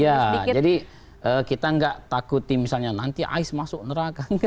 ya jadi kita nggak takuti misalnya nanti ais masuk neraka